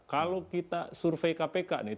kalau kita survei kpk nih